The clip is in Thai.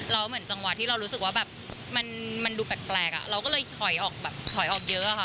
เราเหมือนจังหวะที่เรารู้สึกว่ามันดูแปลกเราก็เลยถอยออกเยอะค่ะ